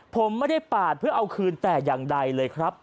ผมไม่ได้ปาดเพื่อเอาคืนแต่อย่างใดเลยครับ